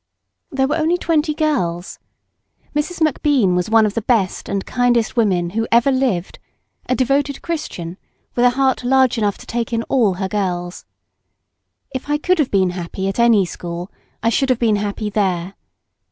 There were only twenty girls. Mrs. MacBean was one of the best and kindest women who ever lived—a devoted Christian with a heart large enough to take in all her girls. If I could have been happy at any school I should have been happy there.